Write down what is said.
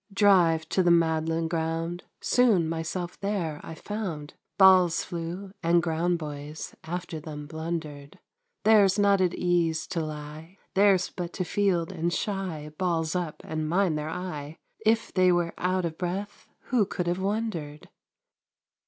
Drive to the Magdalen Ground ; Soon myself there I found, Balls flew, and ground boys After them blundered ! Theirs not at ease to lie. Theirs but to field and shy Balls up and mind their eye ; If they were out of breath. Who could have wondered